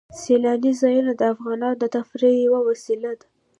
سیلاني ځایونه د افغانانو د تفریح یوه وسیله ده.